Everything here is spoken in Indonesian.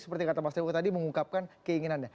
seperti kata mas tewo tadi mengungkapkan keinginannya